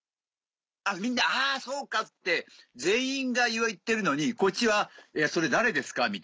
みんな「あそうか！」って全員が言ってるのにこっちは「いやそれ誰ですか？」